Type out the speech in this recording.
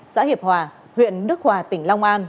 xã hiệp hòa huyện đức hòa tỉnh long an